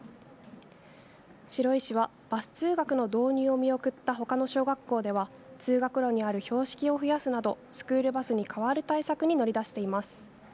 白井市はバス通学の導入を見送ったたほかの小学校では通学路にある標識を増やすなどスクールバスに代わる対策に乗り出しています。